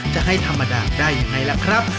จะให้ธรรมดาได้ยังไงล่ะครับ